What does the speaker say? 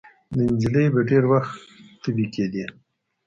د نجلۍ به ډېر وخت تبې کېدې.